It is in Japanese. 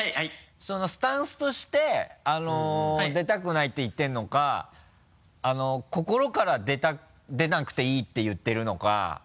そのスタンスとして出たくないって言ってるのか心から出なくていいって言ってるのか。